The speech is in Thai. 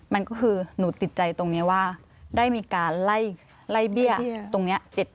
มันก็คือหนูติดใจตรงนี้ว่าได้มีการไล่เบี้ยตรงนี้